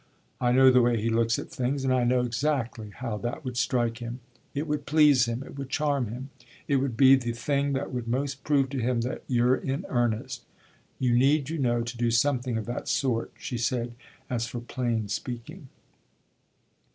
I know the way he looks at things and I know exactly how that would strike him. It would please him, it would charm him; it would be the thing that would most prove to him that you're in earnest. You need, you know, to do something of that sort," she said as for plain speaking.